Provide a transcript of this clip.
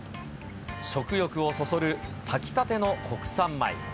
食欲をそそる炊きたての国産米。